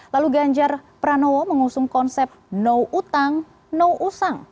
lalu ganjar pranowo mengusung konsep no utang no usang